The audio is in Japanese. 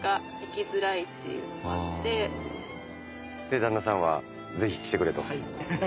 で旦那さんはぜひ来てくれと。